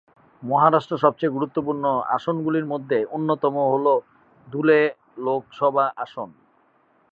মহারাষ্ট্র সবচেয়ে গুরুত্বপূর্ণ আসনগুলির মধ্যে অন্যতম হল ধুলে লোকসভা আসন।